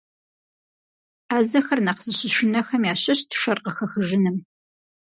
Ӏэзэхэр нэхъ зыщышынэхэм ящыщт шэр къыхэхыжыным.